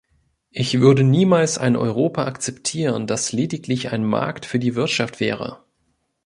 Ich würde niemals ein Europa akzeptieren, das lediglich ein Markt für die Wirtschaft wäre.